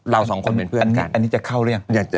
สองคนเป็นเพื่อนอันนี้จะเข้าหรือยัง